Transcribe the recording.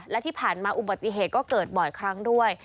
และที่ผ่านมาอุบัติเหตุก็เกิดบ่อยครั้งด้วย